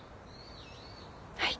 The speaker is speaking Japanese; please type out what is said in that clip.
はい。